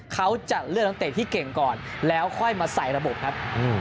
เขาจะเลือกนักเตะที่เก่งก่อนแล้วค่อยมาใส่ระบบครับ